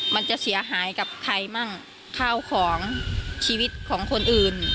มันจะเสียหายกับใครมั่งข้าวของชีวิตของคนอื่น